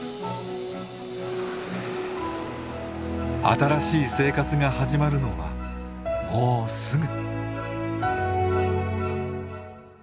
新しい生活が始まるのはもうすぐ。